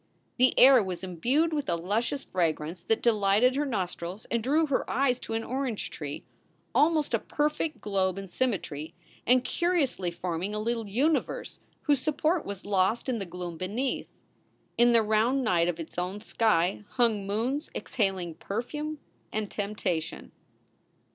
The air was imbued with a luscious fragrance that de lighted her nostrils and drew her eyes to an orange tree, almost a perfect globe in symmetry, and curiously forming a little universe whose support was lost in the gloom beneath. In the round night of its own sky hung moons exhaling per fume and temptation.